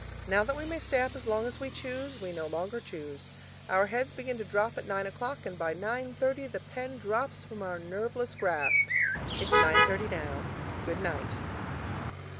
Now that we may stay up as long as we choose, we no longer choose. Our heads begin to nod at nine o'clock, and by nine thirty the pen drops from our nerveless grasp. It's nine thirty now. Good night.